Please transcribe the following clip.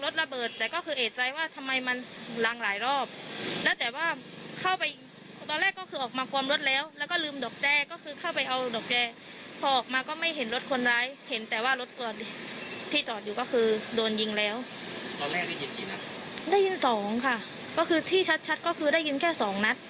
ได้ยิน๒ค่ะก็คือที่ชัดก็คือได้ยินแค่๒นัท